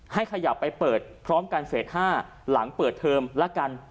ขยับไปเปิดพร้อมกันเฟส๕หลังเปิดเทอมละกัน